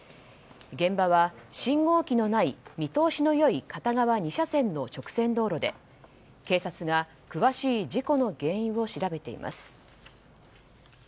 現場は、信号機のない見通しの良い片側２車線の直線道路で警察が詳しい事故の原因を調べています。